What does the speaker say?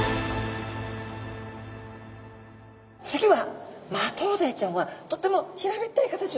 次はマトウダイちゃんはとっても平べったい形をしておりましたね。